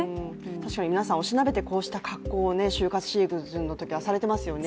確かに皆さん、おしなべてこうした格好を就活シーズンのときはされてますよね。